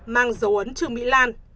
mang dấu ấn trương mỹ lan